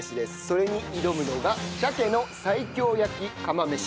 それに挑むのが鮭の西京焼き釜飯。